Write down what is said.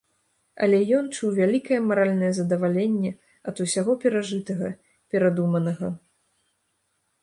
Але ён чуў вялікае маральнае задаваленне ад усяго перажытага, перадуманага.